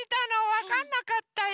わかんなかったよ。